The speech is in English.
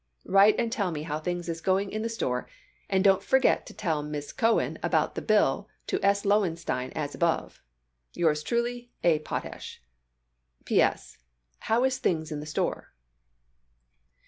Write and tell me how things is going in the store and dont forget to tell Miss Cohen about the bill to S. Lowenstein as above Yours Truly A. POTASH. P. S. How is things in the store?